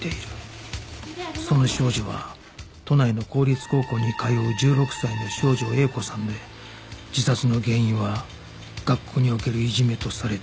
「その少女は都内の公立高校に通う１６歳の少女Ａ子さんで自殺の原因は学校におけるいじめとされている」